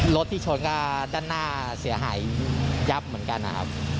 รถที่ชนก็ด้านหน้าเสียหายยับเหมือนกันนะครับ